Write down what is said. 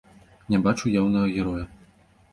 Не бачу яўнага героя.